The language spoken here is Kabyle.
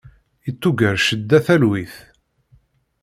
Ittuger ccedda talwit.